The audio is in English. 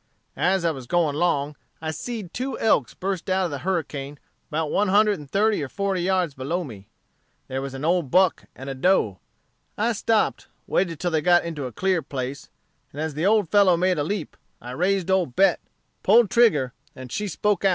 "As I was going 'long, I seed two elks burst out of the Harricane 'bout one hundred and thirty or forty yards below me. There was an old buck and a doe. I stopped, waited till they got into a clear place, and as the old fellow made a leap, I raised old Bet, pulled trigger, and she spoke out.